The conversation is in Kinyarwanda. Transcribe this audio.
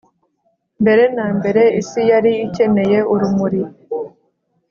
mbere na mbere, isi yari ikeneye urumuri.